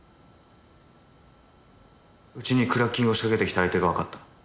うちにクラッキングを仕掛けてきた相手がわかった。